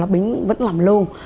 bính vẫn làm luôn